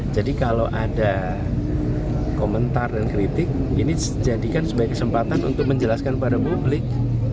jadi kalau ada komentar dan kritik ini jadikan sebagai kesempatan untuk menjelaskan kepada publik